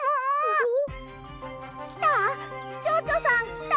きた？